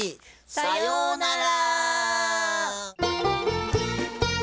さようなら！